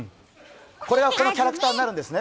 これが番組のキャラクターになるんですね。